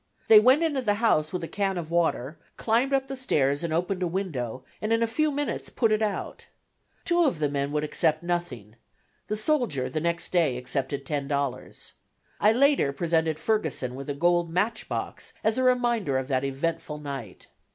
They went into the house with a can of water, climbed the stairs and opened a window, and in a few minutes put it out. Two of the men would accept nothing; the soldier, the next day, accepted ten dollars. I later presented Ferguson with a gold matchbox as a reminder of that eventful night.